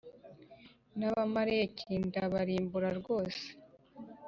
n Abamaleki ndabarimbura rwose